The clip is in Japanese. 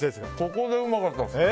ここでうまかった。